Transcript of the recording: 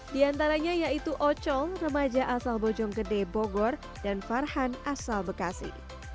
di antaranya yaitu ocong remaja asal bojonggede bogor dan farhan asal bekasi